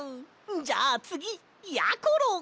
じゃあつぎやころ！